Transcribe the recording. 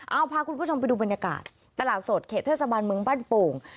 เอาพาคุณผู้ชมไปดูบรรยากาศตลาดสดเขตเทศบาลเมืองบ้านโป่ง